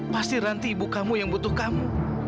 pasti nanti ibu kamu yang butuh kamu